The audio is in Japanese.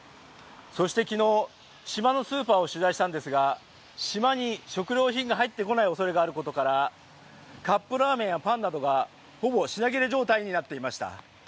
そして昨日、島のスーパーを取材したんですが、島に食料品が入ってこないおそれがあることからカップラーメンやパンなどがほぼ品切れ状態になっていました。